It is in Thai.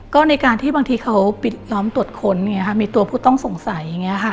ก็ในการที่บางทีเขาปิดล้อมตรวจคนมีตัวผู้ต้องสงสัย